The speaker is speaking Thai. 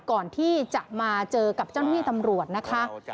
ก่อนที่จะมาเจอกับเจ้าหน้าที่ตำรวจนะคะ